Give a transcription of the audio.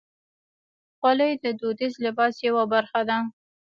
خولۍ د دودیز لباس یوه برخه ده.